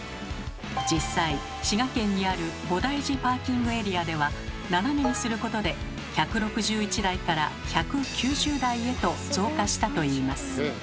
実際滋賀県にある菩提寺パーキングエリアでは斜めにすることで１６１台から１９０台へと増加したといいます。